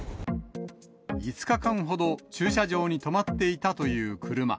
５日間ほど、駐車場に止まっていたという車。